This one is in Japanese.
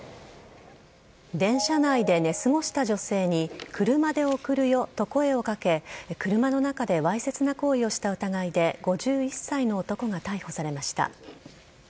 電車内で寝過ごした女性に車で送るよと声をかけ車の中でわいせつな行為をした疑いで５１歳の男が逮捕されました。